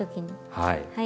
はい。